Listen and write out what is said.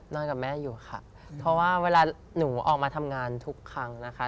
กับแม่อยู่ค่ะเพราะว่าเวลาหนูออกมาทำงานทุกครั้งนะคะ